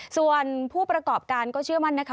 ส่วนผู้ประกอบการก็เชื่อมั่นนะคะ